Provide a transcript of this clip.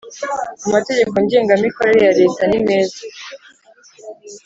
amategeko ngengamikorere ya leta nimeza